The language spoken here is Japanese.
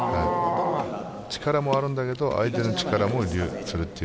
力もあるんだけど、相手の力も利用するという。